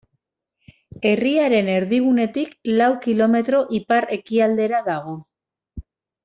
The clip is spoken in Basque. Herriaren erdigunetik lau kilometro ipar-ekialdera dago.